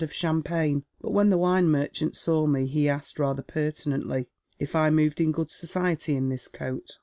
of champagne ; but when the wine merchant saw me, he asked, rather pertinently, if I moved in good society in this coat.